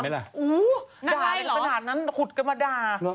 ด่าขนาดนั้นขุดกันมาด่า